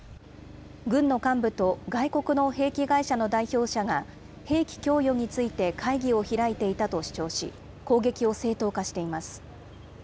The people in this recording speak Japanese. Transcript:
軍の幹部と外国の兵器会社の代表者が兵器供与について会議を開いていたと主張し、攻撃を正当化しています。